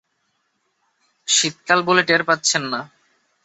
শীত-কাল বলে টের পাচ্ছেন না।